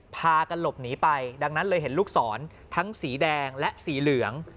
พากันหลบหนีไปดังนั้นเลยเห็นลูกศรทั้งสีแดงและสีเหลือง